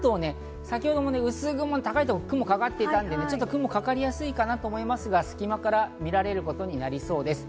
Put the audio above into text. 関東は先ほど高いところに薄雲がかかっていたので雲がかかりやすいと思いますが、隙間から見られることになりそうです。